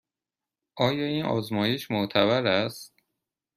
آیا این آزمایش معتبر است؟